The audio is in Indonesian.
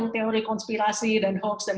teori konspirasi dan hoax